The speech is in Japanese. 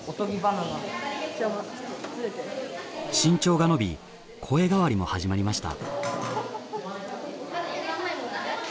身長が伸び声変わりも始まりました。